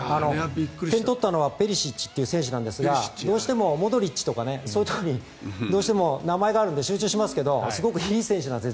点を取ったのはペリシッチという選手なんですがどうしてもモドリッチとかそういうところにどうしても名前があるので集中しますけどすごくいい選手なんです。